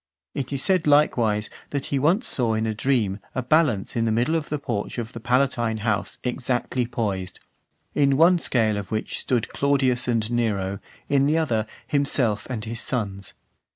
It is said likewise, that he once saw in a dream a balance in the middle of the porch of the Palatine house exactly poised; in one (462) scale of which stood Claudius and Nero, in the other, himself and his sons.